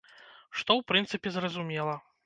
Што, у прынцыпе, зразумела.